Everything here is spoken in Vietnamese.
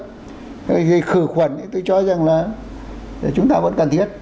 thì khi khử khuẩn thì tôi cho rằng là chúng ta vẫn cần thiết